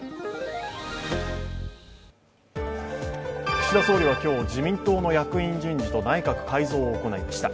岸田総理は今日、自民党の役員人事と内閣改造を行いました。